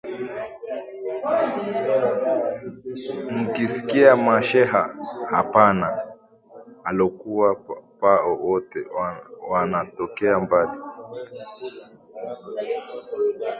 mkisikia masheha hapana alokuwa pao wote wanatokea mbali